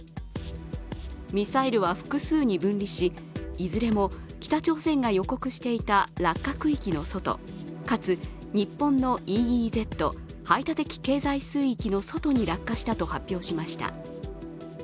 ミサイルは複数に分離しいずれも北朝鮮が予告していた落下区域の外、かつ日本のＥＥＺ＝排他的経済水域の外に落下したと発表しました。